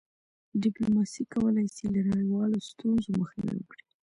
ډيپلوماسي کولی سي له نړیوالو ستونزو مخنیوی وکړي.